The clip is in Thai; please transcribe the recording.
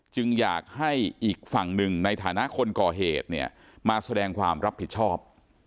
จึงอยากให้อีกฝั่งหนึ่งในฐานะคนก่อเหตุเนี่ยมาแสดงความรับผิดชอบ